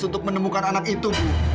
untuk menemukan anak itu